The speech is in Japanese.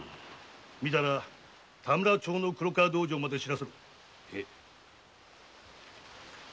見たら田村町の黒川道場まで報せろ。